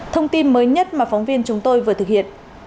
thông tin mới nhất mà phóng viên chúng tôi vừa thực hiện